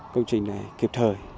công trình này kịp thời